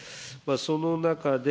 その中で、